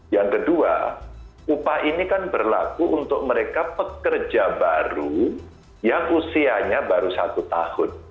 yang kedua upah ini kan berlaku untuk mereka pekerja baru yang usianya baru satu tahun